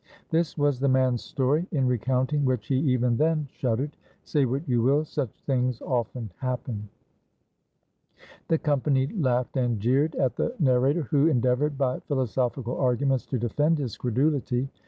This was the man's story, in recounting which he even then shud dered. Say what you will, such things often happen." The company laughed and jeered at the narrator, who endeavored by philosophical arguments to defend his credulity.